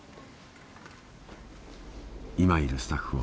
今いるスタッフを。